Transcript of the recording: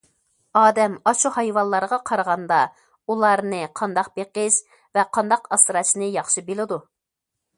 ئادەم ئاشۇ ھايۋانلارغا قارىغاندا، ئۇلارنى قانداق بېقىش ۋە قانداق ئاسراشنى ياخشى بىلىدۇ.